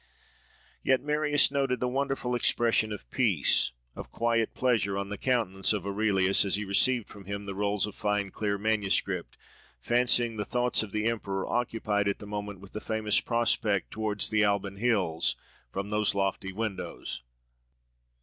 Yet Marius noted the wonderful expression of peace, of quiet pleasure, on the countenance of Aurelius, as he received from him the rolls of fine clear manuscript, fancying the thoughts of the emperor occupied at the moment with the famous prospect towards the Alban hills, from those lofty windows.